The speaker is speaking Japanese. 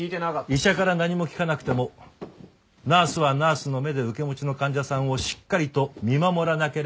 医者から何も聞かなくてもナースはナースの目で受け持ちの患者さんをしっかりと見守らなければなりません。